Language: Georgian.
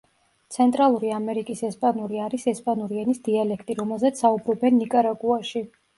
ცენტრალური ამერიკის ესპანური არის ესპანური ენის დიალექტი, რომელზეც საუბრობენ ნიკარაგუაში.